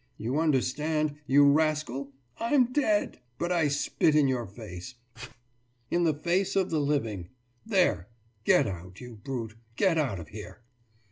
You understand, you rascal? I'm dead! But I spit in your face ... ph!... in the face of the living! There! Get out, you brute! Get out of here!